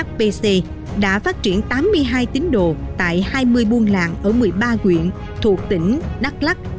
fpc đã phát triển tám mươi hai tín đồ tại hai mươi buôn làng ở một mươi ba quyện thuộc tỉnh đắk lắc